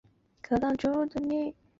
帕拉豹蛛为狼蛛科豹蛛属的动物。